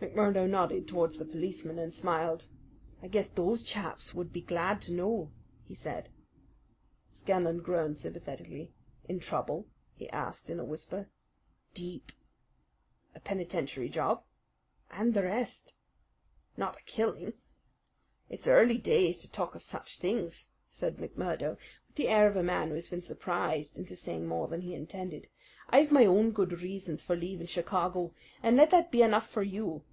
McMurdo nodded towards the policemen and smiled. "I guess those chaps would be glad to know," he said. Scanlan groaned sympathetically. "In trouble?" he asked in a whisper. "Deep." "A penitentiary job?" "And the rest." "Not a killing!" "It's early days to talk of such things," said McMurdo with the air of a man who had been surprised into saying more than he intended. "I've my own good reasons for leaving Chicago, and let that be enough for you.